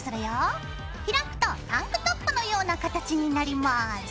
開くとタンクトップのような形になります。